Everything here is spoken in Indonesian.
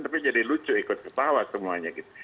tapi jadi lucu ikut kepawa semuanya gitu